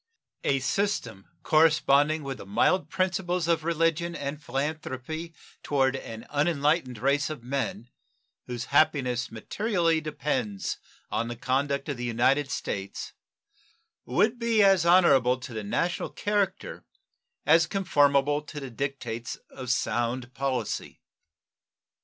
A system corresponding with the mild principles of religion and philanthropy toward an unenlightened race of men, whose happiness materially depends on the conduct of the United States, would be as honorable to the national character as conformable to the dictates of sound policy.